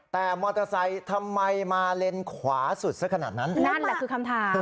แต่มอเตอร์ไซค์ทำไมมาเลนขวาสุดสักขนาดนั้นนั่นแหละคือคำถาม